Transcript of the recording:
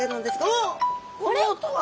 ・おっこの音は！